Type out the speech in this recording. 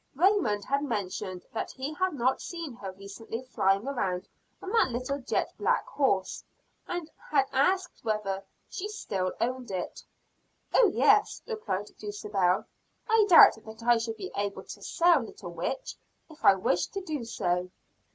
Raymond had mentioned that he had not seen her recently flying around on that little jet black horse, and had asked whether she still owned it. "Oh, yes," replied Dulcibel; "I doubt that I should be able to sell Little Witch if I wished to do so."